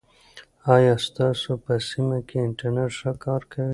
آیا ستاسو په سیمه کې انټرنیټ ښه کار کوي؟